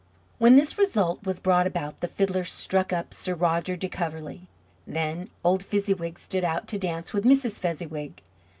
When this result was brought about the fiddler struck up "Sir Roger de Coverley." Then old Fezziwig stood out to dance with Mrs. Fezziwig.